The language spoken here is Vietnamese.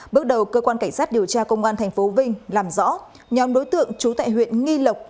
bước đầu cơ quan cảnh sát điều tra công an tp vinh làm rõ nhóm đối tượng trú tại huyện nghi lộc